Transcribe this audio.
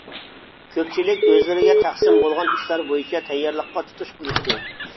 كۆپچىلىك ئۆزلىرىگە تەقسىم بولغان ئىشلار بويىچە تەييارلىققا تۇتۇش قىلىشتى.